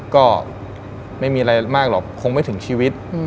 ก็ไม่มีอะไรมากหรอกคงไม่ถึงชีวิต